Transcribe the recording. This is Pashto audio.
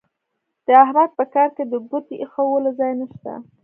د احمد په کار کې د ګوتې اېښولو ځای نه شته.